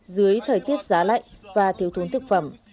dưới thời tiết giá lạnh và thiếu thốn thực phẩm